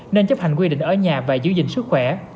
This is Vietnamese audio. nên chấp hành quy định ở nhà và giữ gìn sức khỏe